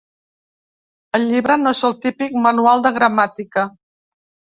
El llibre no és el típic manual de gramàtica.